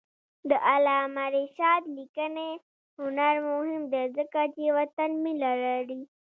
د علامه رشاد لیکنی هنر مهم دی ځکه چې وطن مینه لري.